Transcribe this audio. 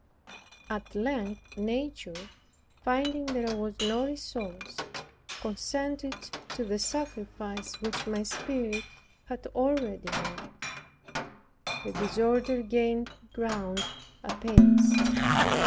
At length, nature finding there was no resource, consented to the sacrifice which my spirit had already made. The disorder gained ground apace.